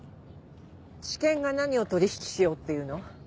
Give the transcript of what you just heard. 地検が何を取引しようっていうの？